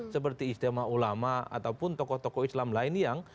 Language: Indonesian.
seperti istimewa ulama ataupun tokoh tokoh islam lain yang